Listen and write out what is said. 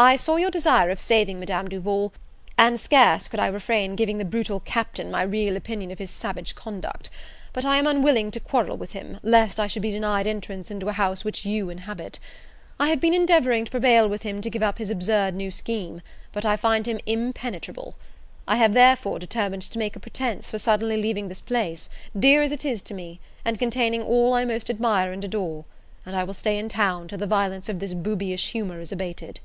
"I saw your desire of saving Madame Duval, and scarce could I refrain giving the brutal Captain my real opinion of his savage conduct; but I am unwilling to quarrel with him, lest I should be denied entrance into a house which you inhabit; I have been endeavouring to prevail with him to give up his absurd new scheme, but I find him impenetrable: I have therefore determined to make a pretense for suddenly leaving this place, dear as it is to me, and containing all I most admire and adore; and I will stay in town till the violence of this boobyish humour is abated."